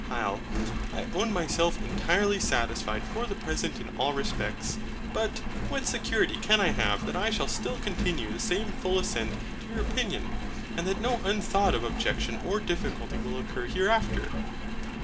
HYL. I own myself entirely satisfied for the present in all respects. But, what security can I have that I shall still continue the same full assent to your opinion, and that no unthought of objection or difficulty will occur hereafter?